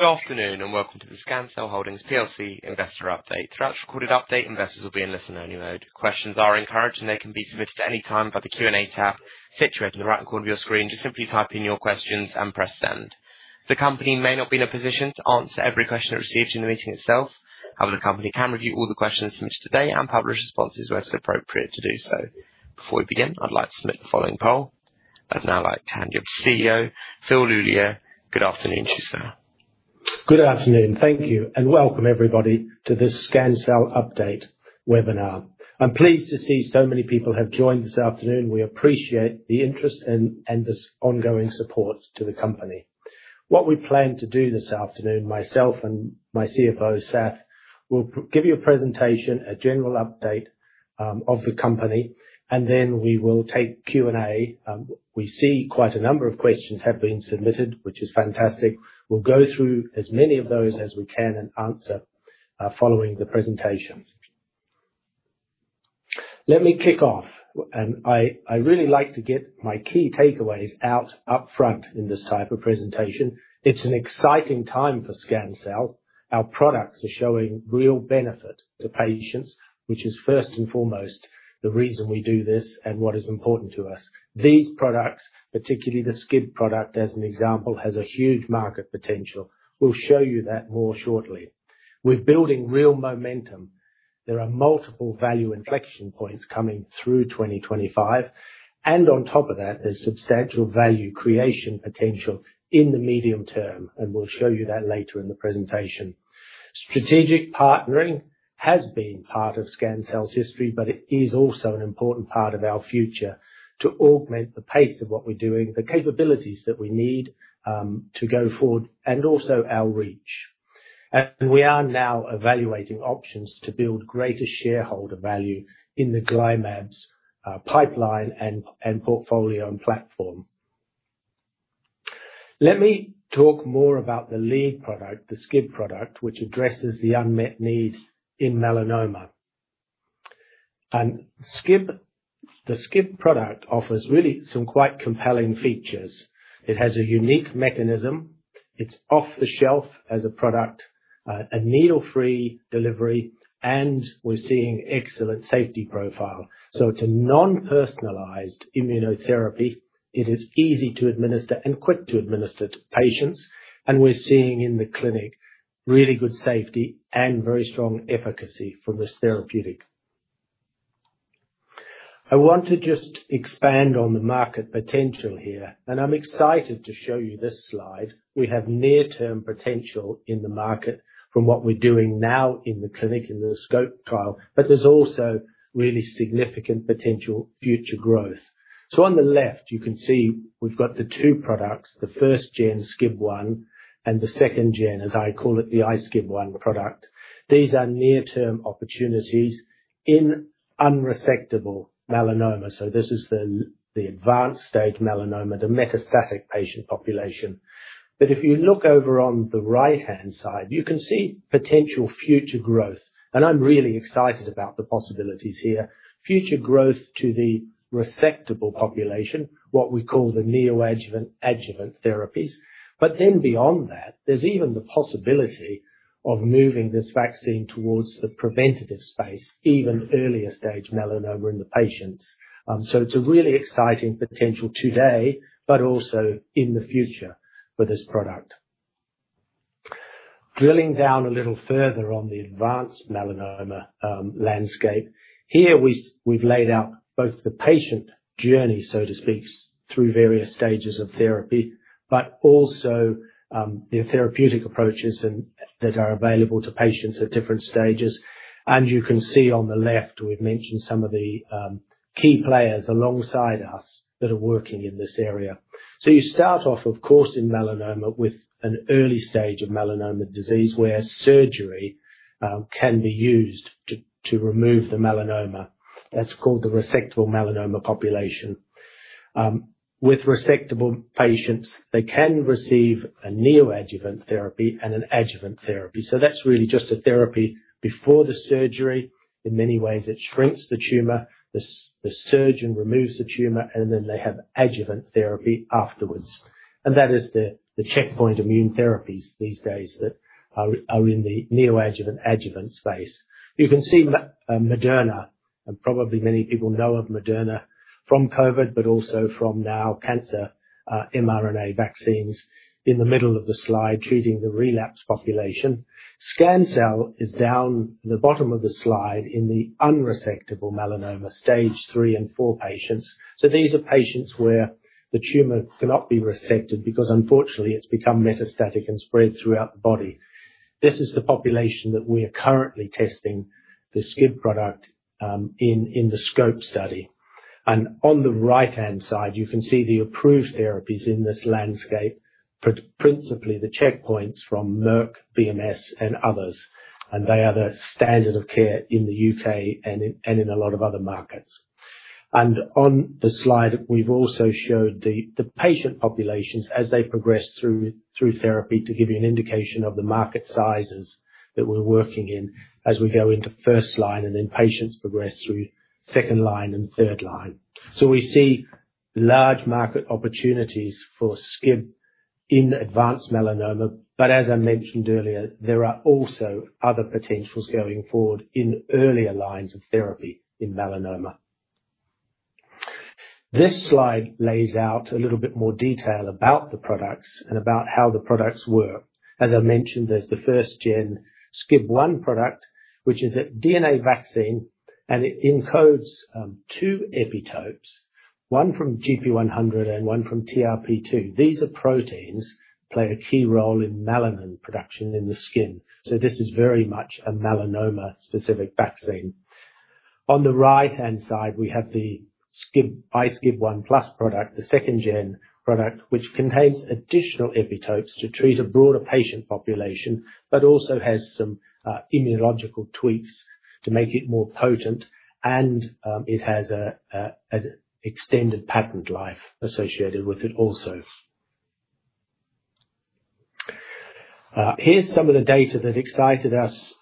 Good afternoon, and welcome to the Scancell Holdings plc investor update. Throughout this recorded update, investors will be in listen-only mode. Questions are encouraged, and they can be submitted at any time by the Q&A tab situated in the right corner of your screen. Just simply type in your questions and press Send. The company may not be in a position to answer every question it receives during the meeting itself. However, the company can review all the questions submitted today and publish responses where it's appropriate to do so. Before we begin, I'd like to submit the following poll. I'd now like to hand you to CEO Phil L'Huillier. Good afternoon to you, sir. Good afternoon. Thank you, and welcome everybody to this Scancell update webinar. I'm pleased to see so many people have joined this afternoon. We appreciate the interest and the ongoing support to the company. What we plan to do this afternoon, myself and my CFO, Sath, we'll give you a presentation, a general update, of the company, and then we will take Q&A. We see quite a number of questions have been submitted, which is fantastic. We'll go through as many of those as we can and answer following the presentation. Let me kick off. I really like to get my key takeaways out, upfront in this type of presentation. It's an exciting time for Scancell. Our products are showing real benefit to patients, which is first and foremost, the reason we do this and what is important to us. These products, particularly the SCIB product as an example, has a huge market potential. We'll show you that more shortly. We're building real momentum. There are multiple value inflection points coming through 2025, and on top of that, there's substantial value creation potential in the medium term, and we'll show you that later in the presentation. Strategic partnering has been part of Scancell's history, but it is also an important part of our future to augment the pace of what we're doing, the capabilities that we need, to go forward, and also our reach. We are now evaluating options to build greater shareholder value in the GlyMab pipeline and portfolio and platform. Let me talk more about the lead product, the SCIB product, which addresses the unmet need in melanoma. SCIB, the SCIB product offers really some quite compelling features. It has a unique mechanism, it's off-the-shelf as a product, a needle-free delivery, and we're seeing excellent safety profile. It's a non-personalized immunotherapy. It is easy to administer and quick to administer to patients, and we're seeing in the clinic really good safety and very strong efficacy from this therapeutic. I want to just expand on the market potential here, and I'm excited to show you this slide. We have near-term potential in the market from what we're doing now in the clinic, in the SCOPE trial, but there's also really significant potential future growth. On the left, you can see we've got the two products, the first gen SCIB1 and the second gen, as I call it, the iSCIB1 product. These are near-term opportunities in unresectable melanoma. This is the advanced stage melanoma, the metastatic patient population. If you look over on the right-hand side, you can see potential future growth. I'm really excited about the possibilities here. Future growth to the resectable population, what we call the neoadjuvant, adjuvant therapies. Beyond that, there's even the possibility of moving this vaccine towards the preventative space, even earlier stage melanoma in the patients. It's a really exciting potential today, but also in the future for this product. Drilling down a little further on the advanced melanoma landscape. We've laid out both the patient journey, so to speak, through various stages of therapy, but also the therapeutic approaches and that are available to patients at different stages. You can see on the left, we've mentioned some of the key players alongside us that are working in this area. You start off, of course, in melanoma with an early stage of melanoma disease, where surgery can be used to remove the melanoma. That's called the resectable melanoma population. With resectable patients, they can receive a neoadjuvant therapy and an adjuvant therapy. That's really just a therapy before the surgery. In many ways, it shrinks the tumor, the surgeon removes the tumor, and then they have adjuvant therapy afterwards. That is the checkpoint immunotherapies these days that are in the neoadjuvant, adjuvant space. You can see Moderna, and probably many people know of Moderna from COVID, but also from now cancer mRNA vaccines in the middle of the slide, treating the relapse population. Scancell is down the bottom of the slide in the unresectable melanoma stage 3 and 4 patients. These are patients where the tumor cannot be resected because unfortunately it's become metastatic and spread throughout the body. This is the population that we are currently testing the SCIB product in the SCOPE study. On the right-hand side, you can see the approved therapies in this landscape, principally the checkpoints from Merck, BMS and others, and they are the standard of care in the U.K. and in a lot of other markets. On the slide, we've also showed the patient populations as they progress through therapy to give you an indication of the market sizes that we're working in as we go into first line, and then patients progress through second line and third line. We see large market opportunities for SCIB in advanced melanoma. As I mentioned earlier, there are also other potentials going forward in earlier lines of therapy in melanoma. This slide lays out a little bit more detail about the products and about how the products work. As I mentioned, there's the first gen SCIB1 product, which is a DNA vaccine, and it encodes two epitopes, one from gp100 and one from TRP-2. These are proteins, play a key role in melanin production in the skin, so this is very much a melanoma-specific vaccine. On the right-hand side, we have the SCIB iSCIB1+ product, the second gen product, which contains additional epitopes to treat a broader patient population, but also has some immunological tweaks to make it more potent. It has an extended patent life associated with it also. Here's some of the data that excited us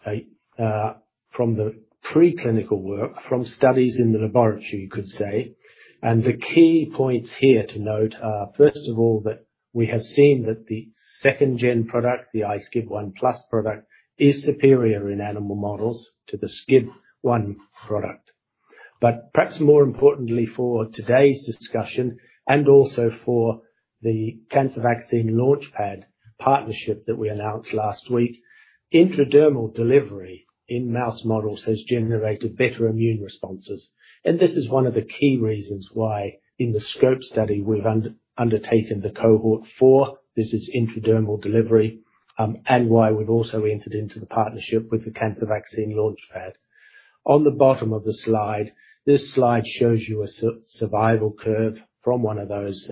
from the preclinical work from studies in the laboratory, you could say. The key points here to note are, first of all, that we have seen that the second gen product, the iSCIB1+ product, is superior in animal models to the SCIB1 product. Perhaps more importantly for today's discussion and also for the Cancer Vaccine Launch Pad partnership that we announced last week, intradermal delivery in mouse models has generated better immune responses. This is one of the key reasons why in the SCOPE study we've undertaken the cohort 4, this is intradermal delivery, and why we've also entered into the partnership with the Cancer Vaccine Launch Pad. On the bottom of the slide, this slide shows you a survival curve from one of those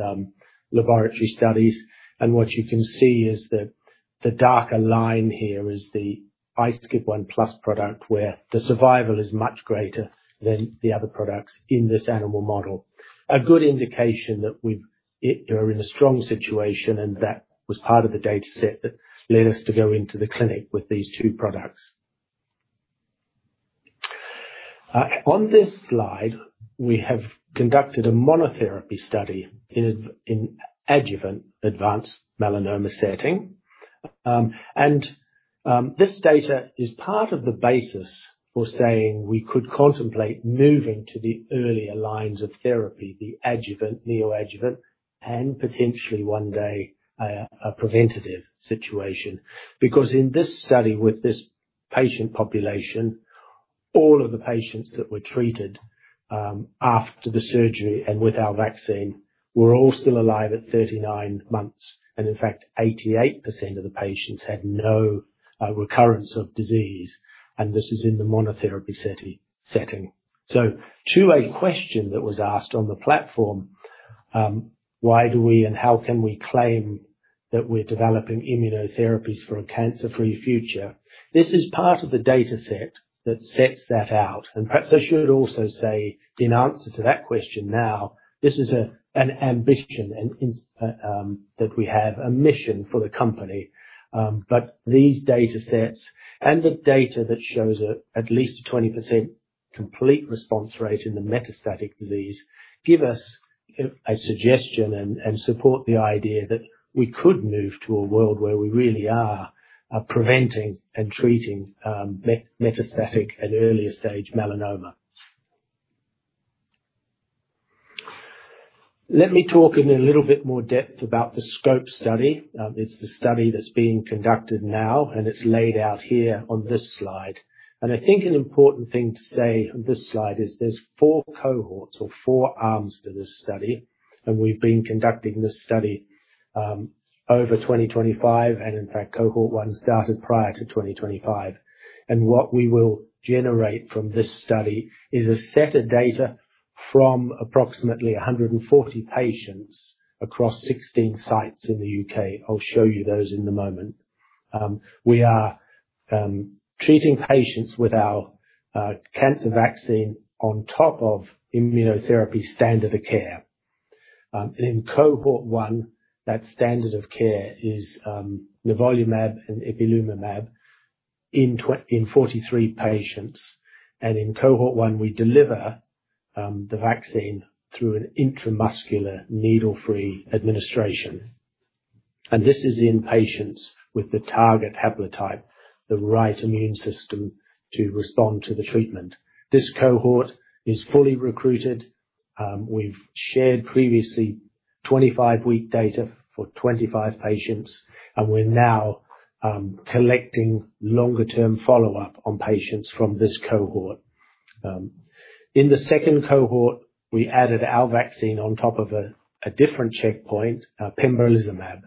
laboratory studies. What you can see is that the darker line here is the iSCIB1+ product, where the survival is much greater than the other products in this animal model. A good indication that we are in a strong situation, and that was part of the dataset that led us to go into the clinic with these two products. On this slide, we have conducted a monotherapy study in adjuvant advanced melanoma setting. This data is part of the basis for saying we could contemplate moving to the earlier lines of therapy, the adjuvant, neoadjuvant and potentially one day, a preventative situation. Because in this study with this patient population, all of the patients that were treated after the surgery and with our vaccine were all still alive at 39 months. In fact, 88% of the patients had no recurrence of disease, and this is in the monotherapy setting. To a question that was asked on the platform, why do we, and how can we claim that we're developing immunotherapies for a cancer-free future? This is part of the dataset that sets that out. Perhaps I should also say in answer to that question now, this is an ambition and in sum that we have, a mission for the company. But these datasets and the data that shows at least a 20% complete response rate in the metastatic disease give us a suggestion and support the idea that we could move to a world where we really are preventing and treating metastatic and earlier stage melanoma. Let me talk in a little bit more depth about the SCOPE study. It's the study that's being conducted now, and it's laid out here on this slide. I think an important thing to say on this slide is there's four cohorts or four arms to this study. We've been conducting this study over 2025, and in fact, cohort one started prior to 2025. What we will generate from this study is a set of data from approximately 140 patients across 16 sites in the U.K. I'll show you those in a moment. We are treating patients with our cancer vaccine on top of immunotherapy standard of care. In cohort one, that standard of care is nivolumab and ipilimumab in 43 patients. In cohort one, we deliver the vaccine through an intramuscular needle-free administration. This is in patients with the target haplotype, the right immune system to respond to the treatment. This cohort is fully recruited. We've shared previously 25-week data for 25 patients, and we're now collecting longer-term follow-up on patients from this cohort. In the second cohort, we added our vaccine on top of a different checkpoint, pembrolizumab.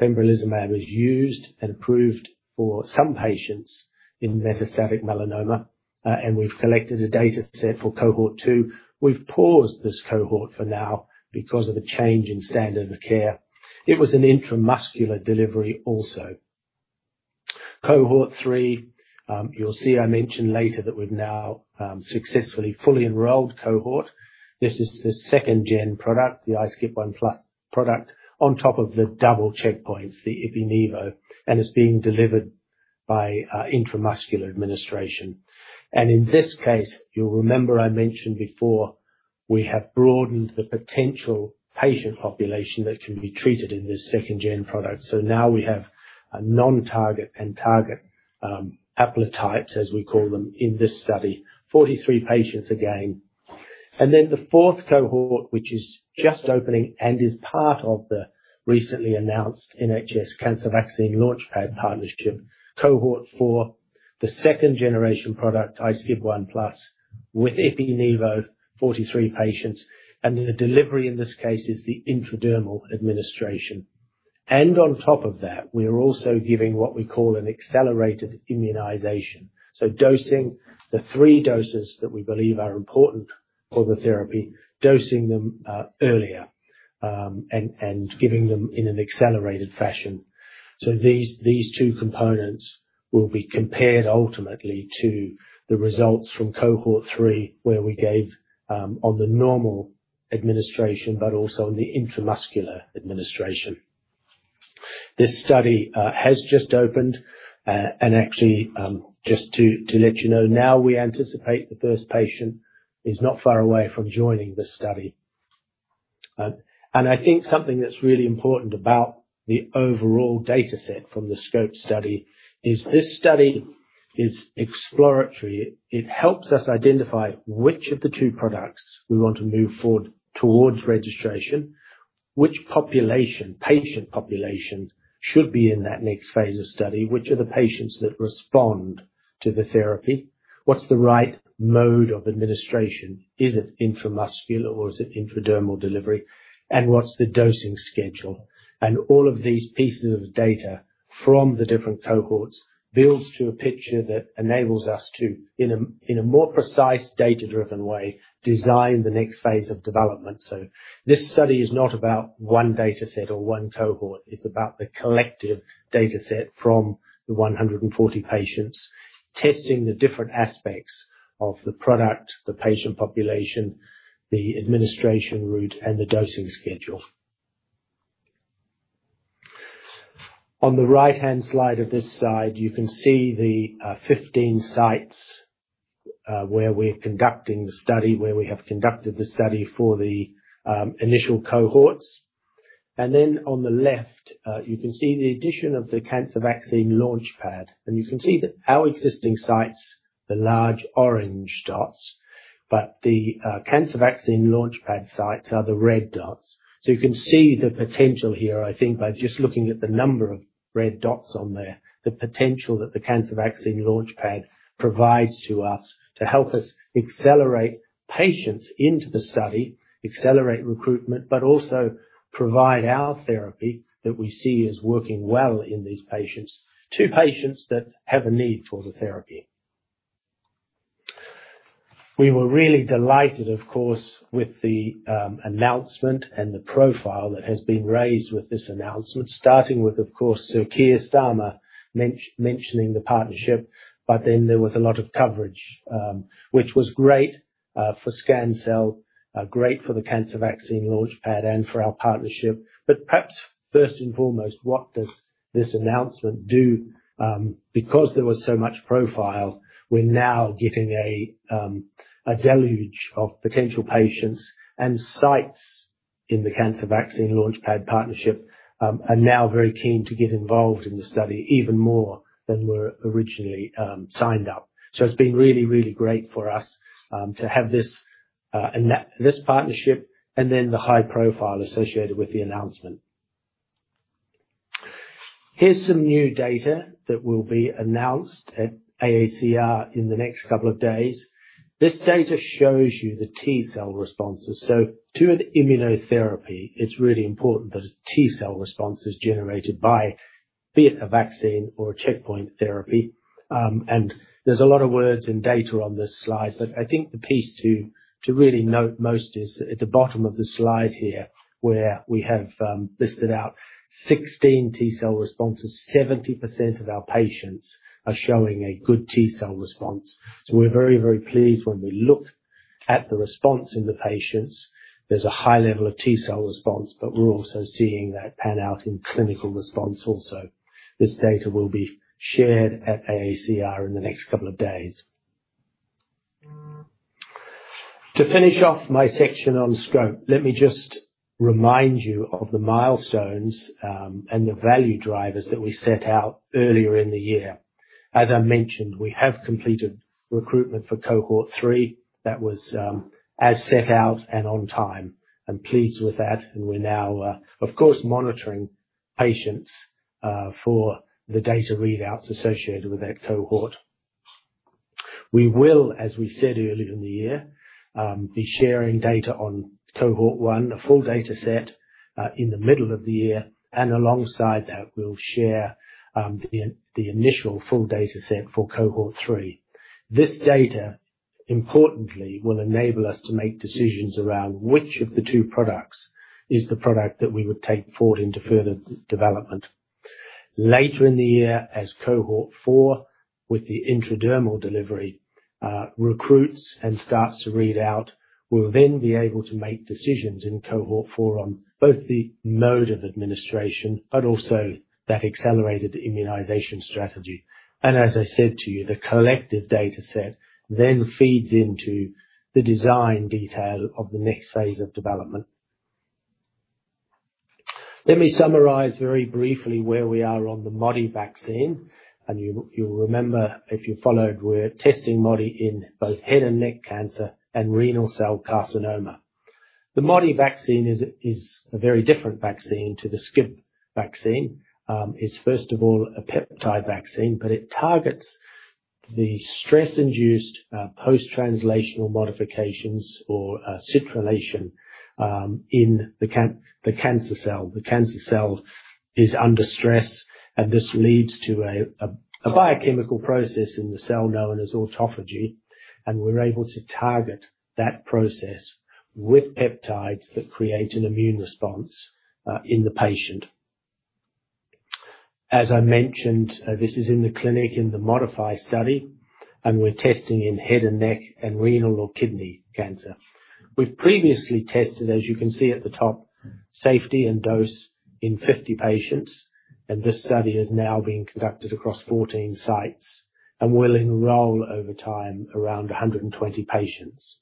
Pembrolizumab is used and approved for some patients in metastatic melanoma, and we've collected a dataset for cohort two. We've paused this cohort for now because of a change in standard of care. It was an intramuscular delivery also. Cohort three, you'll see I mentioned later that we've now successfully fully enrolled cohort. This is the second-gen product, the iSCIB1+ product on top of the double checkpoints, the ipi/nivo, and it's being delivered by intramuscular administration. In this case, you'll remember I mentioned before, we have broadened the potential patient population that can be treated in this second-gen product. Now we have a non-target and target haplotypes, as we call them in this study. 43 patients again. Then the fourth cohort, which is just opening and is part of the recently announced NHS Cancer Vaccine Launch Pad partnership. Cohort four, the second-generation product, iSCIB1+, with ipi/nivo 43 patients, and the delivery in this case is the intradermal administration. On top of that, we are also giving what we call an accelerated immunization. Dosing the 3 doses that we believe are important for the therapy, dosing them earlier and giving them in an accelerated fashion. These two components will be compared ultimately to the results from cohort three, where we gave on the normal administration, but also on the intramuscular administration. This study has just opened. Actually, just to let you know, now we anticipate the first patient is not far away from joining this study. I think something that's really important about the overall dataset from the SCOPE study is this study is exploratory. It helps us identify which of the two products we want to move forward towards registration, which patient population should be in that next phase of study, which are the patients that respond to the therapy, what's the right mode of administration, is it intramuscular or is it intradermal delivery, and what's the dosing schedule. All of these pieces of data from the different cohorts builds to a picture that enables us to, in a more precise, data-driven way, design the next phase of development. This study is not about one dataset or one cohort, it's about the collective dataset from the 140 patients, testing the different aspects of the product, the patient population, the administration route, and the dosing schedule. On the right-hand slide of this side, you can see the 15 sites where we're conducting the study, where we have conducted the study for the initial cohorts. Then on the left, you can see the addition of the Cancer Vaccine Launch Pad. You can see that our existing sites, the large orange dots, but the Cancer Vaccine Launch Pad sites are the red dots. You can see the potential here, I think by just looking at the number of red dots on there, the potential that the Cancer Vaccine Launch Pad provides to us to help us accelerate patients into the study, accelerate recruitment, but also provide our therapy that we see is working well in these patients, to patients that have a need for the therapy. We were really delighted, of course, with the announcement and the profile that has been raised with this announcement. Starting with, of course, Sir Keir Starmer mentioning the partnership, but then there was a lot of coverage, which was great for Scancell, great for the Cancer Vaccine Launch Pad and for our partnership. Perhaps first and foremost, what does this announcement do? Because there was so much profile, we're now getting a deluge of potential patients and sites in the Cancer Vaccine Launch Pad partnership are now very keen to get involved in the study even more than were originally signed up. It's been really, really great for us to have this. This partnership and then the high profile associated with the announcement. Here's some new data that will be announced at AACR in the next couple of days. This data shows you the T-cell responses. To an immunotherapy, it's really important that a T-cell response is generated by be it a vaccine or a checkpoint therapy. There's a lot of words and data on this slide, but I think the piece to really note most is at the bottom of the slide here, where we have listed out 16 T-cell responses. 70% of our patients are showing a good T-cell response. We're very, very pleased when we look at the response in the patients. There's a high level of T-cell response, but we're also seeing that pan out in clinical response also. This data will be shared at AACR in the next couple of days. To finish off my section on Scope, let me just remind you of the milestones and the value drivers that we set out earlier in the year. As I mentioned, we have completed recruitment for cohort 3. That was as set out and on time. I'm pleased with that, and we're now, of course, monitoring patients for the data readouts associated with that cohort. We will, as we said earlier in the year, be sharing data on cohort one, a full dataset, in the middle of the year, and alongside that, we'll share the initial full dataset for cohort three. This data, importantly, will enable us to make decisions around which of the two products is the product that we would take forward into further development. Later in the year, as cohort four with the intradermal delivery recruits and starts to read out, we'll then be able to make decisions in cohort four on both the mode of administration and also that accelerated immunization strategy. As I said to you, the collective data set then feeds into the design detail of the next phase of development. Let me summarize very briefly where we are on the Modi vaccine, and you'll remember, if you followed, we're testing Modi in both head and neck cancer and renal cell carcinoma. The Modi vaccine is a very different vaccine to the SCIB vaccine. It's first of all a peptide vaccine, but it targets the stress-induced post-translational modifications or citrullination in the cancer cell. The cancer cell is under stress, and this leads to a biochemical process in the cell known as autophagy, and we're able to target that process with peptides that create an immune response in the patient. As I mentioned, this is in the clinic in the ModiFY study, and we're testing in head and neck and renal or kidney cancer. We've previously tested, as you can see at the top, safety and dose in 50 patients, and this study is now being conducted across 14 sites and will enroll over time around 120 patients.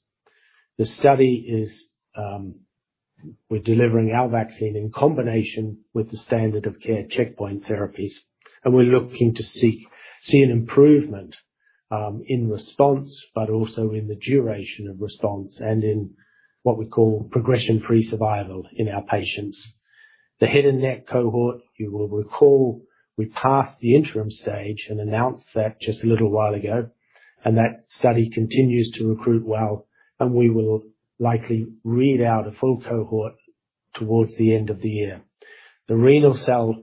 The study is, we're delivering our vaccine in combination with the standard of care checkpoint therapies, and we're looking to see an improvement in response, but also in the duration of response and in what we call progression-free survival in our patients. The head and neck cohort, you will recall, we passed the interim stage and announced that just a little while ago, and that study continues to recruit well, and we will likely read out a full cohort towards the end of the year. The renal cell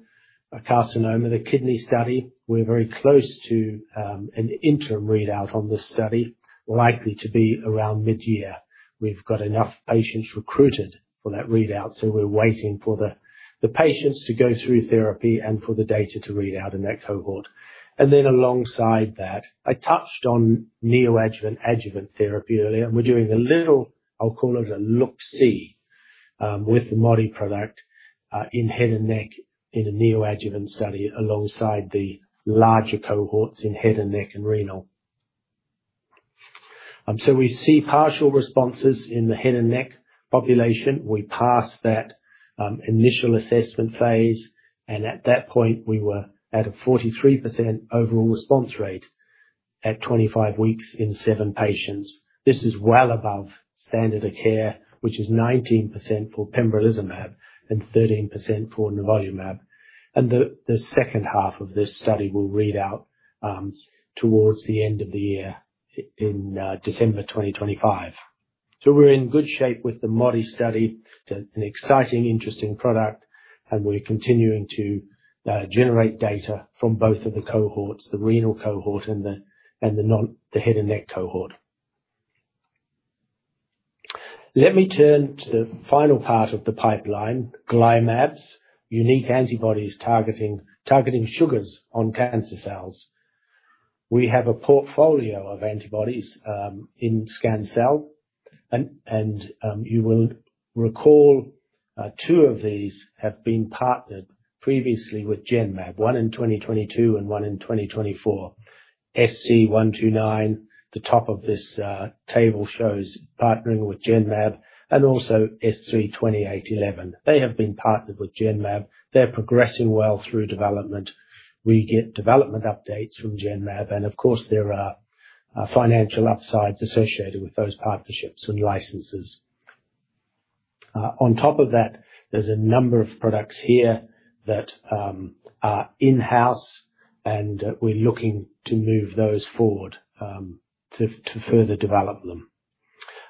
carcinoma, the kidney study, we're very close to an interim readout on this study, likely to be around mid-year. We've got enough patients recruited for that readout, so we're waiting for the patients to go through therapy and for the data to read out in that cohort. Then alongside that, I touched on neoadjuvant adjuvant therapy earlier, and we're doing a little, I'll call it a look-see, with the Modi-1 product, in head and neck in a neoadjuvant study alongside the larger cohorts in head and neck and renal. We see partial responses in the head and neck population. We passed that initial assessment phase, and at that point, we were at a 43% overall response rate at 25 weeks in seven patients. This is well above standard of care, which is 19% for pembrolizumab and 13% for nivolumab. The second half of this study will read out towards the end of the year in December 2025. We're in good shape with the MODI study. It's an exciting, interesting product, and we're continuing to generate data from both of the cohorts, the renal cohort and the head and neck cohort. Let me turn to the final part of the pipeline, GlyMab, unique antibodies targeting sugars on cancer cells. We have a portfolio of antibodies in Scancell, and you will recall two of these have been partnered previously with Genmab, one in 2022 and one in 2024. SC129, the top of this table, shows partnering with Genmab and also SC2811. They have been partnered with Genmab. They're progressing well through development. We get development updates from Genmab and of course, there are financial upsides associated with those partnerships and licenses. On top of that, there's a number of products here that are in-house, and we're looking to move those forward to further develop them.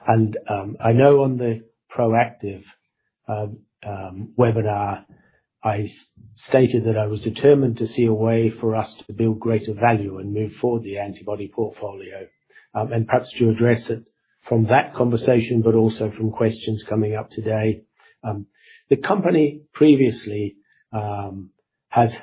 I know on the Proactive webinar, I stated that I was determined to see a way for us to build greater value and move forward the antibody portfolio. Perhaps to address it from that conversation, but also from questions coming up today. The company previously has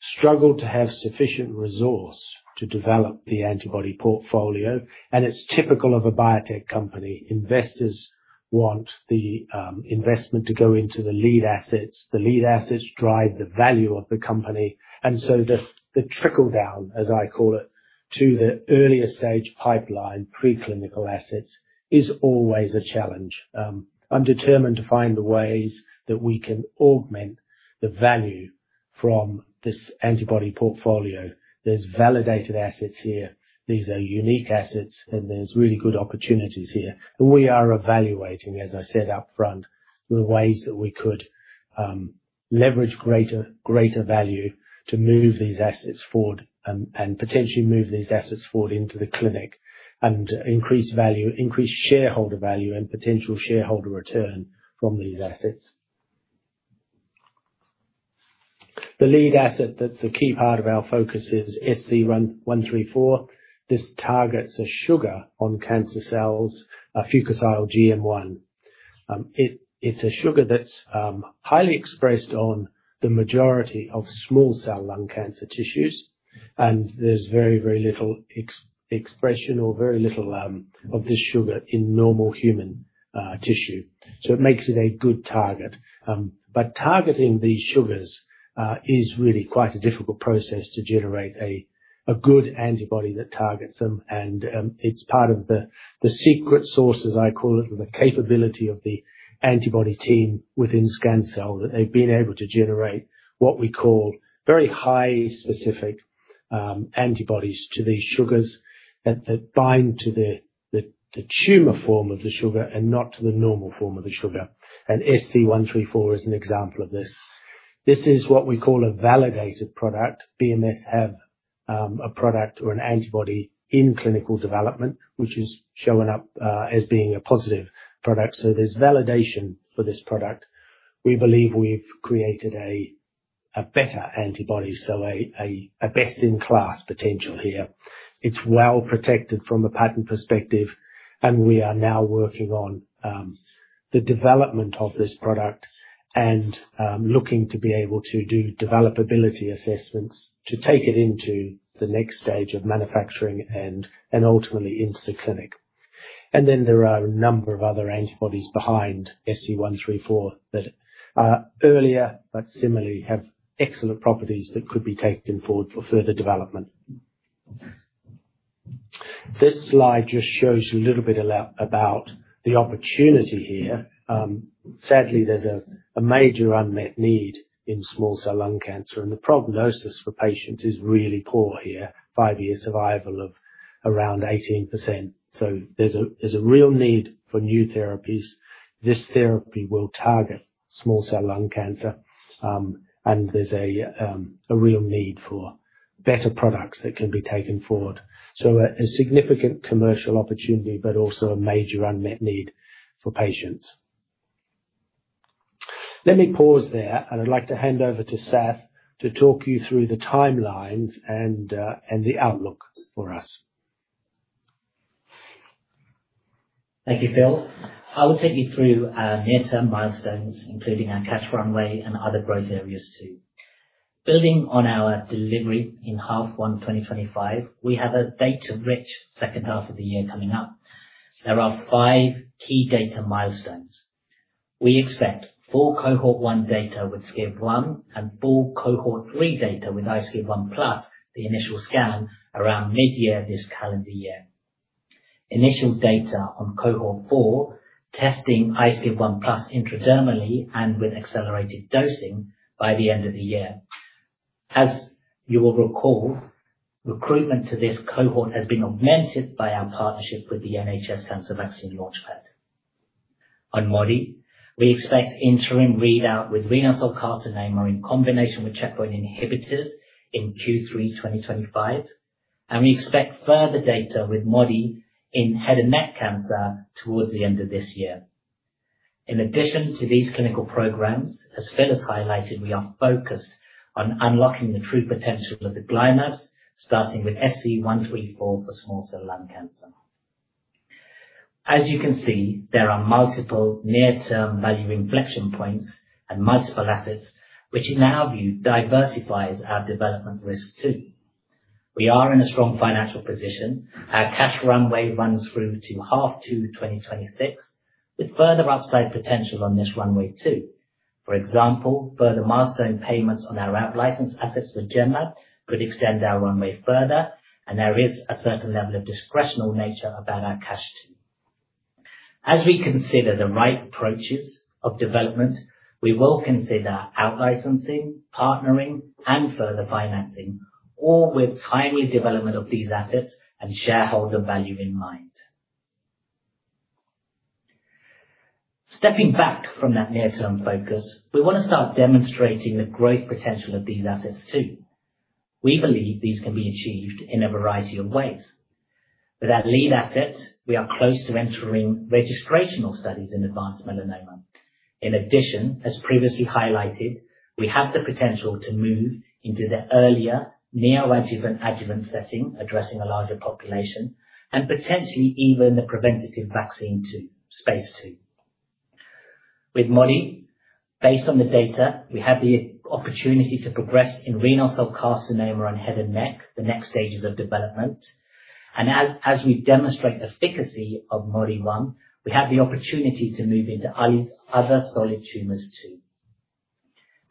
struggled to have sufficient resource to develop the antibody portfolio, and it's typical of a biotech company. Investors want the investment to go into the lead assets. The lead assets drive the value of the company, and so the trickle-down, as I call it, to the earlier stage pipeline, preclinical assets, is always a challenge. I'm determined to find the ways that we can augment the value from this antibody portfolio. There's validated assets here. These are unique assets, and there's really good opportunities here. We are evaluating, as I said upfront, the ways that we could leverage greater value to move these assets forward and potentially move these assets forward into the clinic and increase value, increase shareholder value and potential shareholder return from these assets. The lead asset that's a key part of our focus is SC134. This targets a sugar on cancer cells, fucosyl-GM1. It's a sugar that's highly expressed on the majority of small cell lung cancer tissues, and there's very little expression of this sugar in normal human tissue. It makes it a good target. Targeting these sugars is really quite a difficult process to generate a good antibody that targets them. It's part of the secret sauce, as I call it, or the capability of the antibody team within Scancell, that they've been able to generate what we call very highly specific antibodies to these sugars that bind to the tumor form of the sugar and not to the normal form of the sugar. SC134 is an example of this. This is what we call a validated product. BMS have a product or an antibody in clinical development, which is showing up as being a positive product. There's validation for this product. We believe we've created a better antibody, so a best in class potential here. It's well-protected from a patent perspective, and we are now working on the development of this product and looking to be able to do developability assessments to take it into the next stage of manufacturing and ultimately into the clinic. Then there are a number of other antibodies behind SC134 that are earlier, but similarly have excellent properties that could be taken forward for further development. This slide just shows you a little bit about the opportunity here. Sadly, there's a major unmet need in small cell lung cancer, and the prognosis for patients is really poor here. Five-year survival of around 18%. There's a real need for new therapies. This therapy will target small cell lung cancer, and there's a real need for better products that can be taken forward. A significant commercial opportunity, but also a major unmet need for patients. Let me pause there. I would like to hand over to Sath to talk you through the timelines and the outlook for us. Thank you, Phil. I will take you through our near-term milestones, including our cash runway and other growth areas too. Building on our delivery in H1 2025, we have a data-rich second half of the year coming up. There are five key data milestones. We expect full cohort 1 data with SCIB1 and full cohort 3 data with iSCIB1+, the initial data, around mid-year this calendar year. Initial data on cohort 4 testing iSCIB1+ intradermally and with accelerated dosing by the end of the year. As you will recall, recruitment to this cohort has been augmented by our partnership with the NHS Cancer Vaccine Launch Pad. On Modi-1, we expect interim readout with renal cell carcinoma in combination with checkpoint inhibitors in Q3 2025, and we expect further data with Modi-1 in head and neck cancer towards the end of this year. In addition to these clinical programs, as Phil has highlighted, we are focused on unlocking the true potential of the GlyMab, starting with SC134 for small cell lung cancer. As you can see, there are multiple near-term value inflection points and multiple assets, which in our view diversifies our development risk too. We are in a strong financial position. Our cash runway runs through to H1 2026, with further upside potential on this runway too. For example, further milestone payments on our out-licensed assets with Genmab could extend our runway further, and there is a certain level of discretionary nature about our cash too. As we consider the right approaches of development, we will consider out-licensing, partnering, and further financing, all with timely development of these assets and shareholder value in mind. Stepping back from that near-term focus, we wanna start demonstrating the growth potential of these assets too. We believe these can be achieved in a variety of ways. With our lead assets, we are close to entering registrational studies in advanced melanoma. In addition, as previously highlighted, we have the potential to move into the earlier neoadjuvant, adjuvant setting, addressing a larger population and potentially even the preventative vaccine space, too. With Modi-1, based on the data, we have the opportunity to progress in renal cell carcinoma and head and neck, to the next stages of development. As we demonstrate efficacy of Modi-1, we have the opportunity to move into other solid tumors too.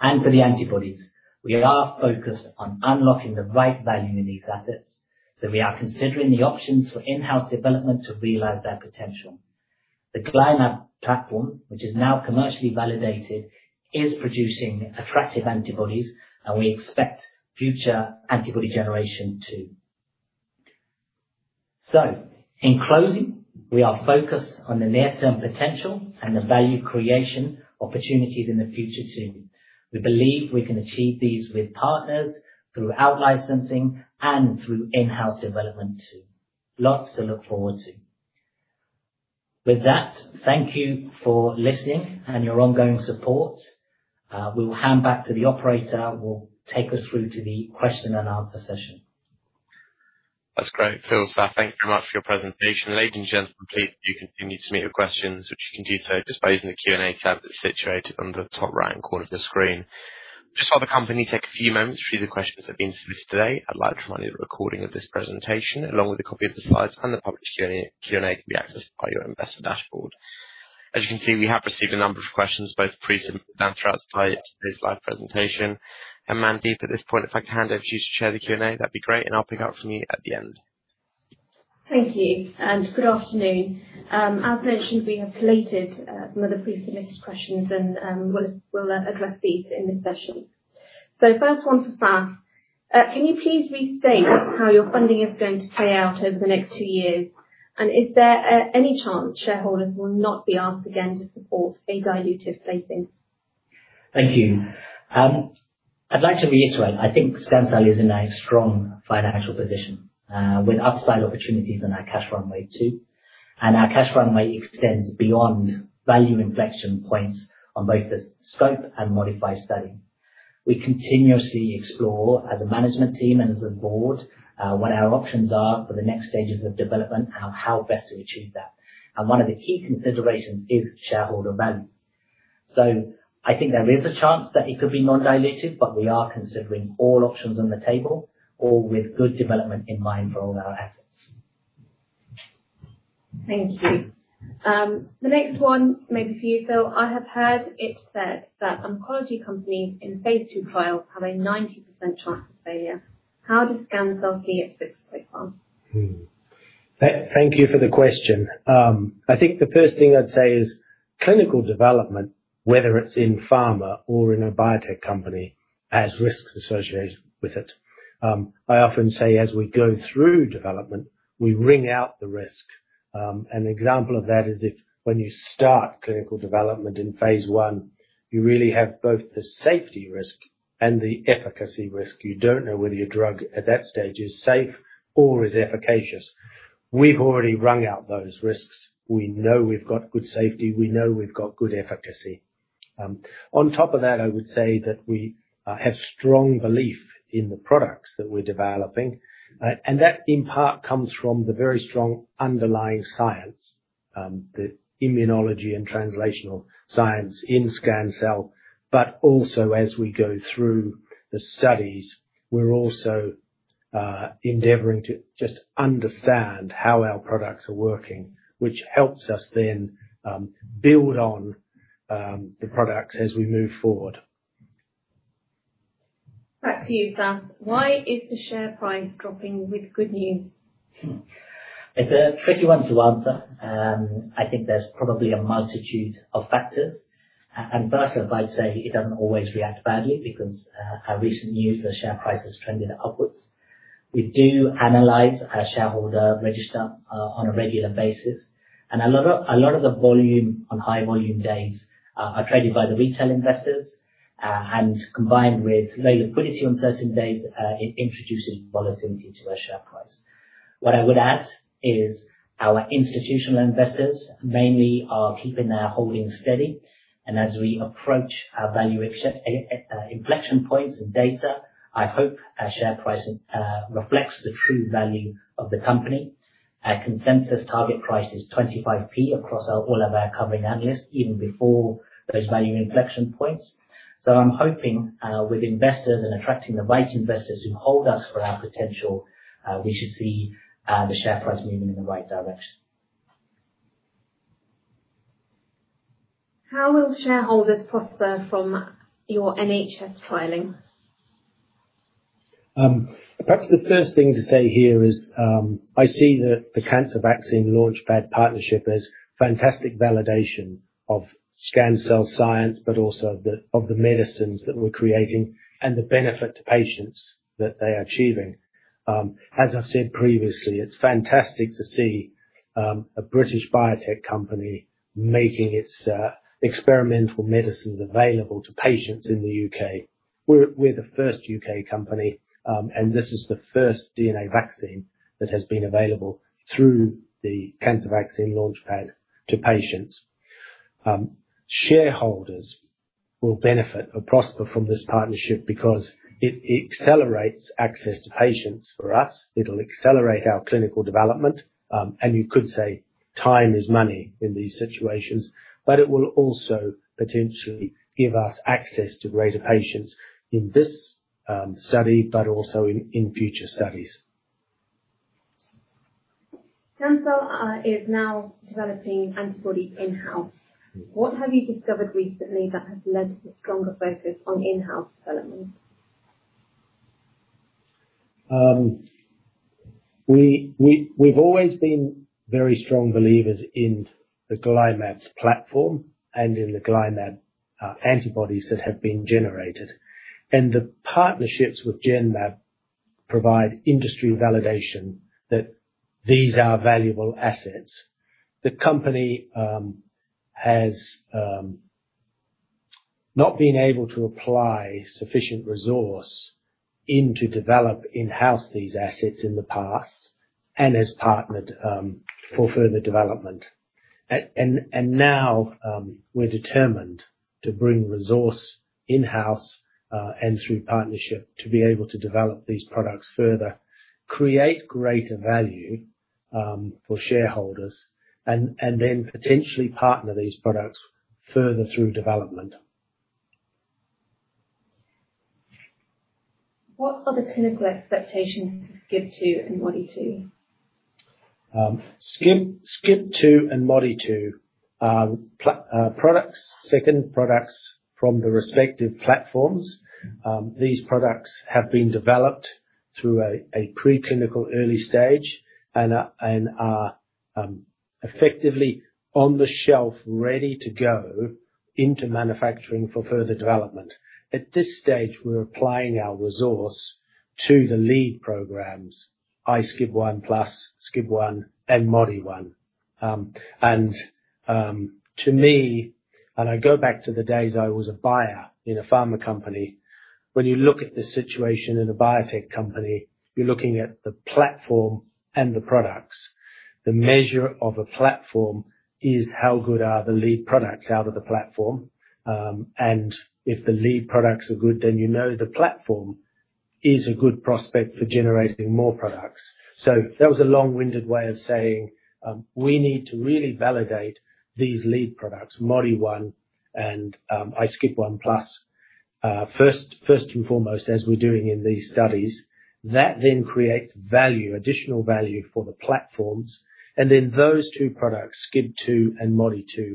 For the antibodies, we are focused on unlocking the right value in these assets, so we are considering the options for in-house development to realize their potential. The GlyMab platform, which is now commercially validated, is producing attractive antibodies, and we expect future antibody generation too. In closing, we are focused on the near-term potential and the value creation opportunities in the future too. We believe we can achieve these with partners through out-licensing and through in-house development too. Lots to look forward to. With that, thank you for listening and your ongoing support. We will hand back to the operator who will take us through to the question and answer session. That's great. Phil, Sath, thank you very much for your presentation. Ladies and gentlemen, please you can continue to submit your questions, which you can do so just by using the Q&A tab that's situated on the top right-hand corner of your screen. Just while the company takes a few moments to view the questions that have been submitted today, I'd like to remind you that a recording of this presentation, along with a copy of the slides and the published Q&A, can be accessed via your investor dashboard. As you can see, we have received a number of questions both pre-submitted and throughout today's live presentation. Mandeep, at this point, if I can hand over to you to chair the Q&A, that'd be great, and I'll pick up from you at the end. Thank you, and good afternoon. As mentioned, we have collated some of the pre-submitted questions and we'll address these in this session. First one for Sath. Can you please restate how your funding is going to play out over the next two years? And is there any chance shareholders will not be asked again to support a dilutive placing? Thank you. I'd like to reiterate, I think Scancell is in a strong financial position, with upside opportunities in our cash runway too. Our cash runway extends beyond value inflection points on both the SCOPE and ModiFY study. We continuously explore, as a management team and as a board, what our options are for the next stages of development and how best to achieve that. One of the key considerations is shareholder value. I think there is a chance that it could be non-dilutive, but we are considering all options on the table, all with good development in mind for all our assets. Thank you. The next one may be for you, Phil. I have heard it said that oncology companies in phase II trials have a 90% chance of failure. How does Scancell see its risks so far? Thank you for the question. I think the first thing I'd say is clinical development, whether it's in pharma or in a biotech company, has risks associated with it. I often say as we go through development, we wring out the risk. An example of that is when you start clinical development in phase I, you really have both the safety risk and the efficacy risk. You don't know whether your drug at that stage is safe or is efficacious. We've already wring out those risks. We know we've got good safety, we know we've got good efficacy. On top of that, I would say that we have strong belief in the products that we're developing. That in part comes from the very strong underlying science, the immunology and translational science in Scancell, but also as we go through the studies, we're also endeavoring to just understand how our products are working, which helps us then build on the products as we move forward. Back to you, Sath. Why is the share price dropping with good news? It's a tricky one to answer. I think there's probably a multitude of factors. Firstly, I'd say it doesn't always react badly because our recent news, the share price has trended upwards. We do analyze our shareholder register on a regular basis, and a lot of the volume on high volume days are traded by the retail investors. Combined with low liquidity on certain days, it introduces volatility to our share price. What I would add is our institutional investors mainly are keeping their holdings steady, and as we approach our value inflection points and data, I hope our share price reflects the true value of the company. Our consensus target price is 25p across all of our covering analysts, even before those value inflection points. I'm hoping with investors and attracting the right investors who hold us for our potential, we should see the share price moving in the right direction. How will shareholders prosper from your NHS filing? Perhaps the first thing to say here is, I see the Cancer Vaccine Launch Pad partnership as fantastic validation of Scancell's science, but also of the medicines that we're creating and the benefit to patients that they're achieving. As I've said previously, it's fantastic to see a British biotech company making its experimental medicines available to patients in the U.K. We're the first U.K. company, and this is the first DNA vaccine that has been available through the Cancer Vaccine Launch Pad to patients. Shareholders will benefit or prosper from this partnership because it accelerates access to patients for us. It'll accelerate our clinical development. You could say time is money in these situations, but it will also potentially give us access to greater patients in this study, but also in future studies. Scancell is now developing antibodies in-house. What have you discovered recently that has led to a stronger focus on in-house development? We've always been very strong believers in the GlyMab platform and in the GlyMab antibodies that have been generated. The partnerships with Genmab provide industry validation that these are valuable assets. The company has not been able to apply sufficient resources into develop in-house these assets in the past and has partnered for further development. Now, we're determined to bring resources in-house and through partnership to be able to develop these products further, create greater value for shareholders and then potentially partner these products further through development. What are the clinical expectations for SCIB2 and Modi-2? SCIB2 and Modi-2 are products, second products from the respective platforms. These products have been developed through a preclinical early stage and are effectively on the shelf, ready to go into manufacturing for further development. At this stage, we're applying our resource to the lead programs, iSCIB1+, SCIB1, and Modi-1. To me, and I go back to the days I was a buyer in a pharma company, when you look at the situation in a biotech company, you're looking at the platform and the products. The measure of a platform is how good are the lead products out of the platform. If the lead products are good, then you know the platform is a good prospect for generating more products. That was a long-winded way of saying we need to really validate these lead products, Modi-1 and iSCIB1+, first and foremost, as we're doing in these studies. That then creates value, additional value for the platforms, and then those two products, SCIB2 and Modi-2,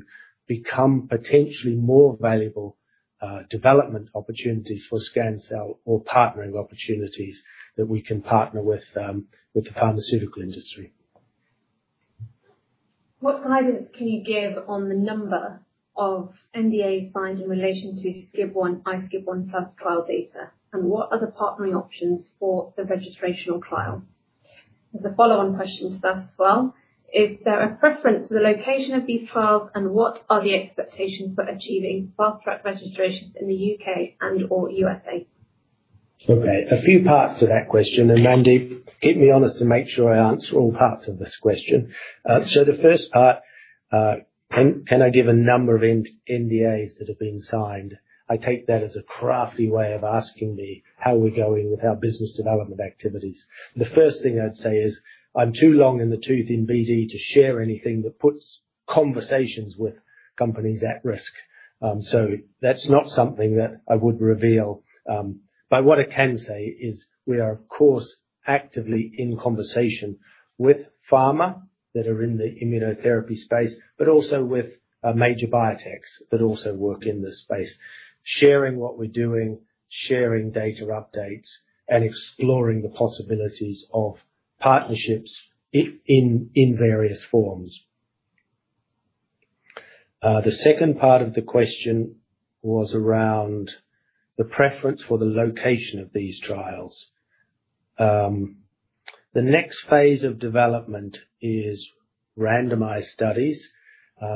become potentially more valuable development opportunities for Scancell or partnering opportunities that we can partner with the pharmaceutical industry. What guidance can you give on the number of NDAs signed in relation to SCIB1, iSCIB1+ trial data, and what are the partnering options for the registrational trial? As a follow-on question to that as well, is there a preference for the location of these trials, and what are the expectations for achieving fast-track registrations in the U.K. and/or U.S.A.? Okay. A few parts to that question, and Mandy, keep me honest to make sure I answer all parts of this question. So the first part, can I give a number of NDAs that have been signed? I take that as a crafty way of asking me how we're going with our business development activities. The first thing I'd say is I'm too long in the tooth in BD to share anything that puts conversations with companies at risk. So that's not something that I would reveal. But what I can say is we are, of course, actively in conversation with pharma that are in the immunotherapy space, but also with major biotechs that also work in this space. Sharing what we're doing, sharing data updates, and exploring the possibilities of partnerships in various forms. The second part of the question was around the preference for the location of these trials. The next phase of development is randomized studies,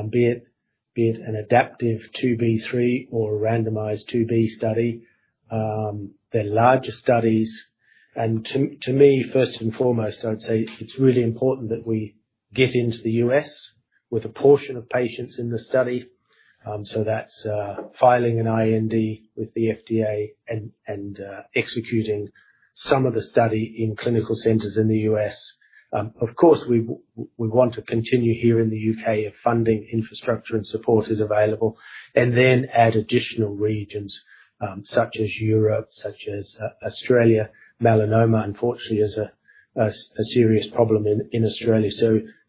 be it an adaptive IIb/III or a randomized IIb study. They're larger studies and to me, first and foremost, I'd say it's really important that we get into the U.S. with a portion of patients in the study. That's filing an IND with the FDA and executing some of the study in clinical centers in the U.S. Of course, we want to continue here in the U.K. if funding, infrastructure, and support is available, and then add additional regions, such as Europe, such as Australia. Melanoma unfortunately is a serious problem in Australia.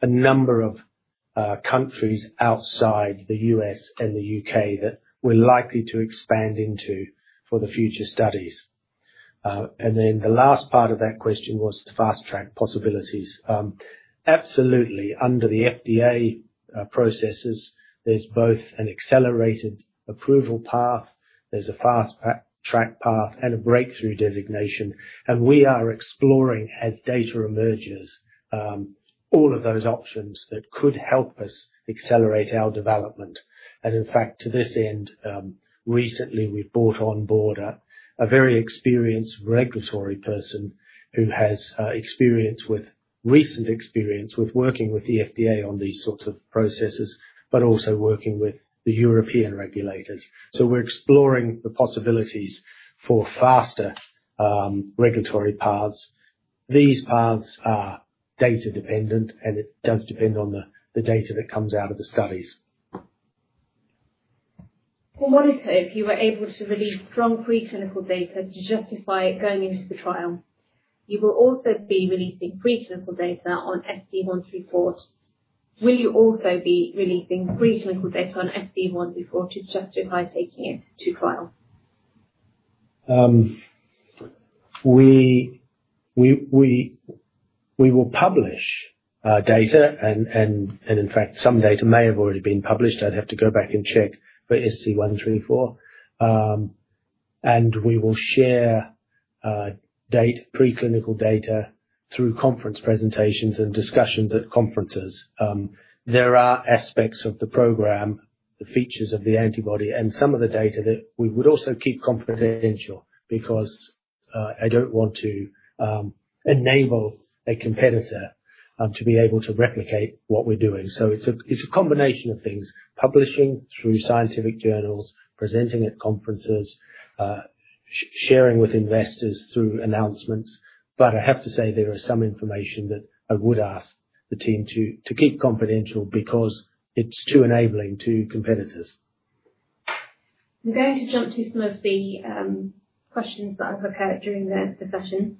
A number of countries outside the U.S. and the U.K. that we're likely to expand into for the future studies. Then the last part of that question was the Fast Track possibilities. Absolutely. Under the FDA processes, there's both an Accelerated Approval path, there's a Fast Track path, and a Breakthrough designation. We are exploring, as data emerges, all of those options that could help us accelerate our development. In fact, to this end, recently we've brought on board a very experienced regulatory person who has recent experience with working with the FDA on these sorts of processes, but also working with the European regulators. We're exploring the possibilities for faster regulatory paths. These paths are data-dependent, and it does depend on the data that comes out of the studies. For Modi-2, if you were able to release strong preclinical data to justify it going into the trial, you will also be releasing preclinical data on SC134. Will you also be releasing preclinical data on SC134 to justify taking it to trial? We will publish data and in fact, some data may have already been published. I'd have to go back and check for SC-134. We will share preclinical data through conference presentations and discussions at conferences. There are aspects of the program, the features of the antibody and some of the data that we would also keep confidential because I don't want to enable a competitor to be able to replicate what we're doing. It's a combination of things, publishing through scientific journals, presenting at conferences, sharing with investors through announcements. I have to say there is some information that I would ask the team to keep confidential because it's too enabling to competitors. I'm going to jump to some of the questions that I've prepared during the session.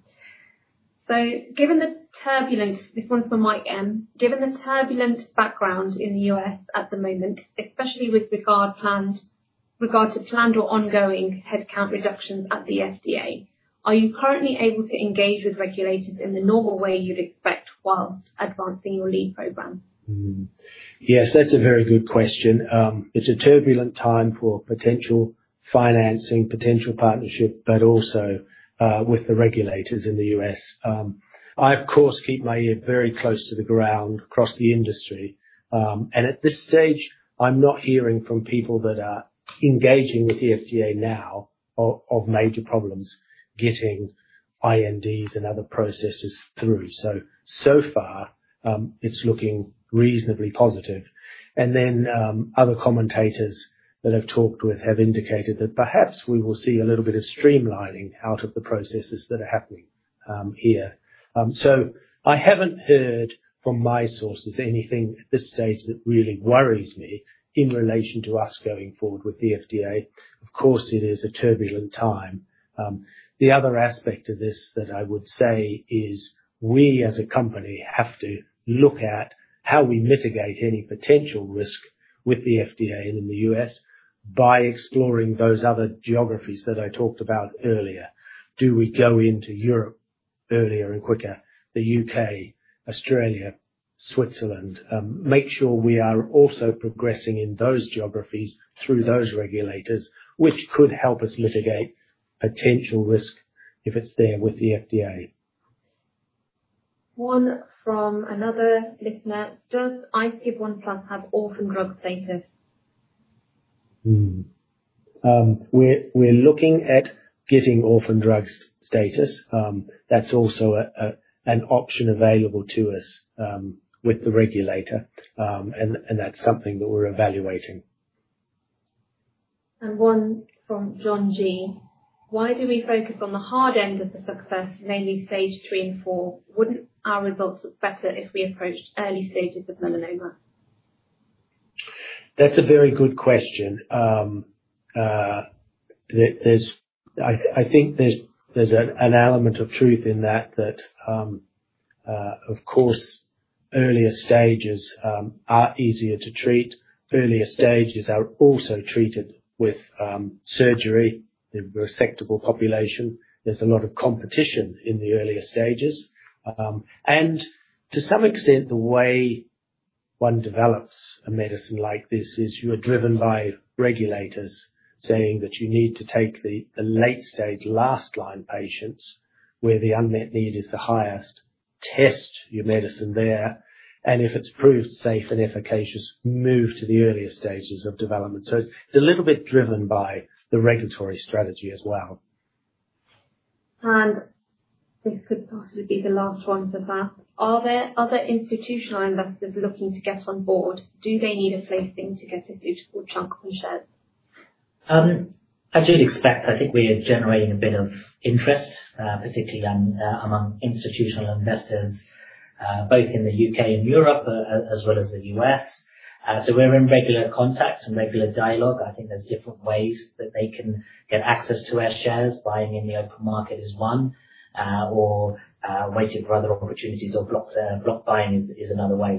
Given the turbulence, this one's from Mike M. "Given the turbulent background in the U.S. at the moment, especially with regards to planned or ongoing headcount reductions at the FDA, are you currently able to engage with regulators in the normal way you'd expect whilst advancing your lead program? Yes, that's a very good question. It's a turbulent time for potential financing, potential partnership, but also with the regulators in the U.S. I, of course, keep my ear very close to the ground across the industry. At this stage, I'm not hearing from people that are engaging with the FDA now of major problems getting INDs and other processes through. So far, it's looking reasonably positive. Other commentators that I've talked with have indicated that perhaps we will see a little bit of streamlining out of the processes that are happening here. I haven't heard from my sources anything at this stage that really worries me in relation to us going forward with the FDA. Of course, it is a turbulent time. The other aspect of this that I would say is we, as a company, have to look at how we mitigate any potential risk with the FDA in the U.S. by exploring those other geographies that I talked about earlier. Do we go into Europe earlier and quicker, the U.K., Australia, Switzerland? Make sure we are also progressing in those geographies through those regulators, which could help us mitigate potential risk if it's there with the FDA. One from another listener: "Does iSCIB1+ have Orphan Drug Designation? We're looking at getting Orphan Drug status. That's also an option available to us with the regulator. That's something that we're evaluating. One from John G: "Why do we focus on the hard end of the success, namely stage three and four? Wouldn't our results look better if we approached early stages of melanoma? That's a very good question. There's an element of truth in that, of course, earlier stages are easier to treat. Earlier stages are also treated with surgery, the resectable population. There's a lot of competition in the earlier stages. To some extent, the way one develops a medicine like this is you're driven by regulators saying that you need to take the late-stage last line patients, where the unmet need is the highest, test your medicine there, and if it's proved safe and efficacious, move to the earlier stages of development. It's a little bit driven by the regulatory strategy as well. This could possibly be the last one for Sath. "Are there other institutional investors looking to get on board? Do they need a placing to get a suitable chunk of shares? I do expect, I think we are generating a bit of interest, particularly among institutional investors, both in the U.K. and Europe, as well as the U.S. We're in regular contact and regular dialogue. I think there's different ways that they can get access to our shares. Buying in the open market is one, or waiting for other opportunities or block buying is another way.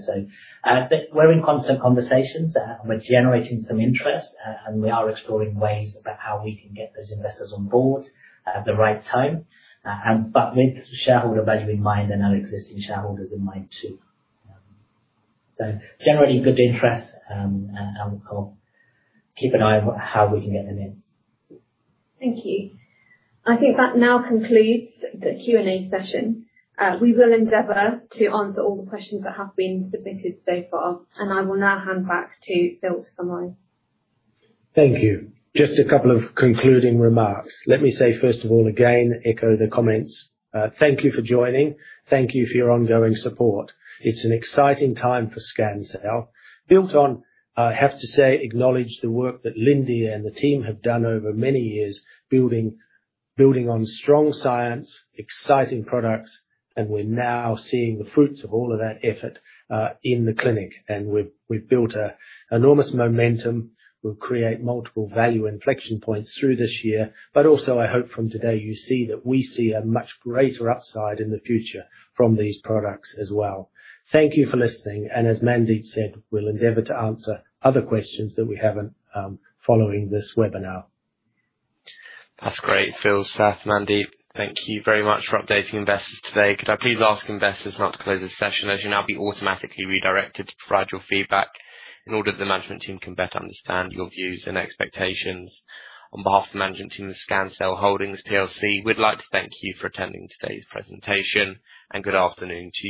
We're in constant conversations. We're generating some interest. We are exploring ways about how we can get those investors on board at the right time, but with shareholder value in mind and our existing shareholders in mind, too. Generating good interest, and we'll keep an eye on how we can get them in. Thank you. I think that now concludes the Q&A session. We will endeavor to answer all the questions that have been submitted so far, and I will now hand back to Phil to summarize. Thank you. Just a couple of concluding remarks. Let me say, first of all, again, echo the comments. Thank you for joining. Thank you for your ongoing support. It's an exciting time for Scancell. Built on, I have to say, acknowledge the work that Lindy and the team have done over many years, building on strong science, exciting products, and we're now seeing the fruits of all of that effort in the clinic. We've built an enormous momentum. We'll create multiple value inflection points through this year. I hope from today you see that we see a much greater upside in the future from these products as well. Thank you for listening, and as Mandeep said, we'll endeavor to answer other questions that we haven't following this webinar. That's great. Phil, Sath, Mandeep, thank you very much for updating investors today. Could I please ask investors now to close this session, as you'll now be automatically redirected to provide your feedback in order that the management team can better understand your views and expectations. On behalf of the management team of Scancell Holdings PLC, we'd like to thank you for attending today's presentation, and good afternoon to you.